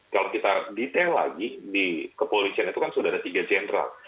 kalau kita detail lagi di kepolisian itu kan sudah ada tiga jenderal